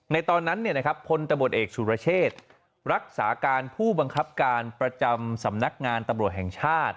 ในตอนนั้นพลตำรวจเอกสุรเชษรักษาการผู้บังคับการประจำสำนักงานตำรวจแห่งชาติ